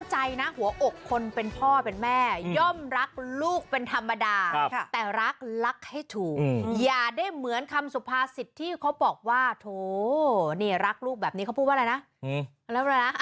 หัวอกคนเป็นพ่อเป็นแม่ย่อมรักลูกเป็นธรรมดาแต่รักรักให้ถูกอย่าได้เหมือนคำสุภาษิตที่เขาบอกว่าโถนี่รักลูกแบบนี้เขาพูดว่าอะไรนะ